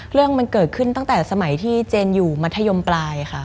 เรื่องมันเกิดขึ้นตั้งแต่สมัยที่เจนอยู่มัธยมปลายค่ะ